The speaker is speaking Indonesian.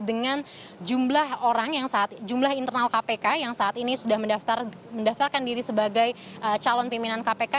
dengan jumlah internal kpk yang saat ini sudah mendaftarkan diri sebagai calon pimpinan kpk